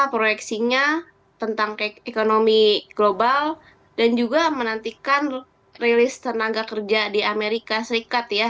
proyeksinya tentang ekonomi global dan juga menantikan rilis tenaga kerja di amerika serikat ya